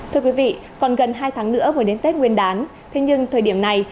thưa quý vị còn gần hai tháng nữa mới đến tết nguyên đán thế nhưng thời điểm này